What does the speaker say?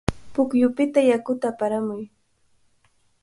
Pukyupita yakuta aparamuy.